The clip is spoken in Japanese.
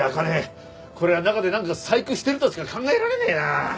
こりゃ中でなんか細工してるとしか考えられねえな！